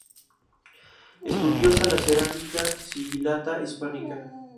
Estudiosa de la cerámica "Sigillata Hispanica".